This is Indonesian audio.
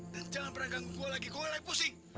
dan jangan pernah ganggu gue lagi gue lagi pusing